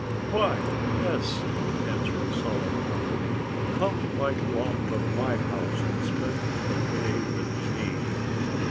"Why, yes!" answered Solomon Owl. "Come right along to my house and spend the day with me!"